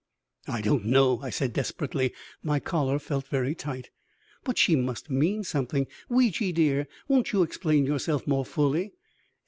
"I don't know," I said desperately. My collar felt very tight. "But she must mean something. Ouija, dear, won't you explain yourself more fully?"